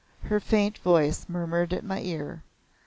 Her faint voice murmured at my ear.